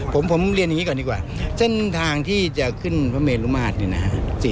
ผมเรียนอย่างนี้ก่อนดีกว่าเส้นทางที่จะขึ้นพระเมรุมาตรเนี่ยนะฮะ